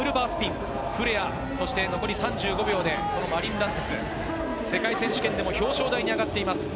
フレア、そして残り３５秒でマリン・ランテス、世界選手権でも表彰台に上がっています。